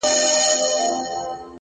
• جهاني ماته مي نیکونو په سبق ښودلي -